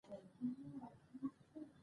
اقلیم بدلون دا ستونزه زیاته کړې ده.